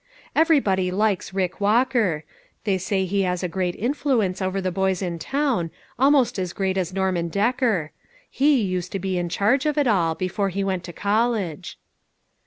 Everybody likes Rick Walker; they say he has a great influence over the boys in town, almost as great as Norman Decker ; he used to be in charge of it all, before he went to college."